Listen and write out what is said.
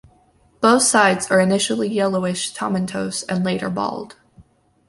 Both sides are initially yellowish tomentose and later bald.